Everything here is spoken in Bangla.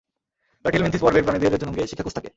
প্লাটিহেলমিনথেস পর্বের প্রাণীদের রেচন অঙ্গে শিখাকোষ থাকে।